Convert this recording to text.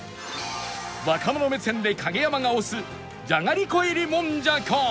若者目線で影山が推すじゃがりこ入りもんじゃか？